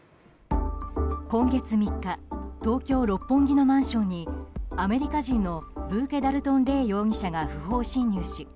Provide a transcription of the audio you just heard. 今月３日東京・六本木のマンションにアメリカ人のブーケ・ダルトン・レイ容疑者が不法侵入し